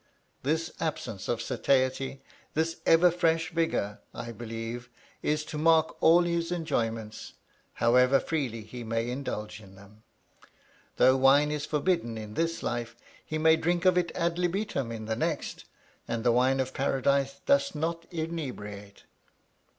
This absence of satiety, this ever fresh vigor, I believe, is to mark all his enjoyments, however freely he may indulge in them. Though wine is forbidden in this life, he may drink of it ad libitum in the next, and the wine of Paradise doth not inebriate.